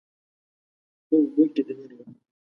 په اوبو کې دننه وم